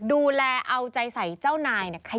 ดูแลเอาใจใส่เจ้านายเนี่ย